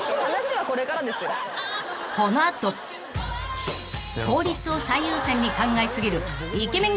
［この後効率を最優先に考え過ぎるイケメン